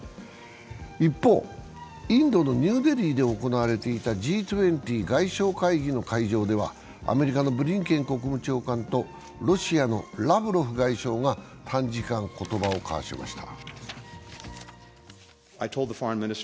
一方、インドのニューデリーで行われていたＧ２０外相会議の会場ではアメリカのブリンケン国務長官とロシアのラブロフ外相が短時間、言葉を交わしました。